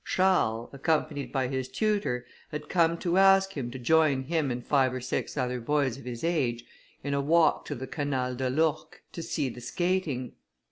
Charles, accompanied by his tutor, had come to ask him to join him and five or six other boys of his age, in a walk to the Canal de l'Ourcq, to see the skating.